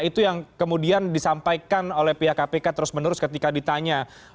itu yang kemudian disampaikan oleh pihak kpk terus menerus ketika ditanya